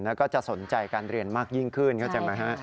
แล้วก็จะสนใจการเรียนมากยิ่งขึ้นเข้าใจไหมฮะ